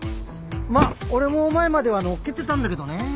まっ俺も前までは載っけてたんだけどね。